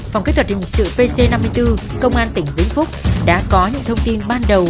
phòng kỹ thuật hình sự pc năm mươi bốn công an tỉnh vĩnh phúc đã có những thông tin ban đầu